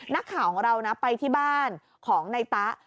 นักข่าวของเรานะไปที่บ้านของนายตะ